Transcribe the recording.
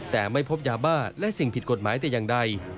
แต่ไม่พบยาบ้าและสิ่งผิดกฎหมายแต่อย่างใด